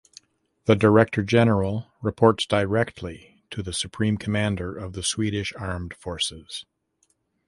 The director general reports directly to the Supreme Commander of the Swedish Armed Forces.